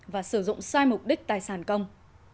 và sử dụng sai mục đích tài sản công